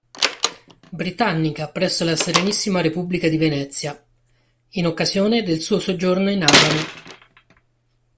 Britannica presso la Serenissima Repubblica di Venezia; in occasione del suo soggiorno in Abano.